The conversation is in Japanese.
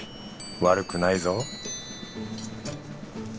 悪くないぞ